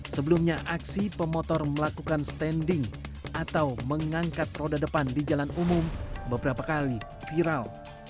sebelumnya aksi pemotor melakukan standing atau mengangkat roda depan di jalan umum beberapa kali viral